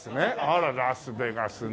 あらラスベガスねえ。